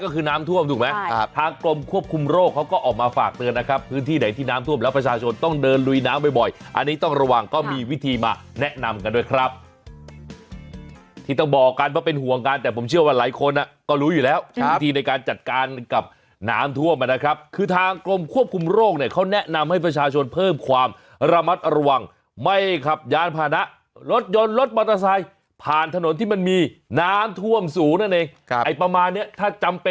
กรมควบคุมโรคเขาก็ออกมาฝากเตือนนะครับพื้นที่ไหนที่น้ำท่วมแล้วประชาชนต้องเดินลุยน้ำบ่อยบ่อยอันนี้ต้องระวังก็มีวิธีมาแนะนำกันด้วยครับที่ต้องบอกกันว่าเป็นห่วงกันแต่ผมเชื่อว่าหลายคนอ่ะก็รู้อยู่แล้วครับวิธีในการจัดการกับน้ำท่วมอ่ะนะครับคือทางกรมควบคุมโรคเนี่ยเขาแ